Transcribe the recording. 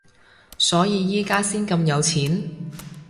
所以而家先咁有錢？